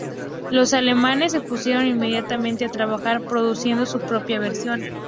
Los alemanes se pusieron inmediatamente a trabajar produciendo su propia versión.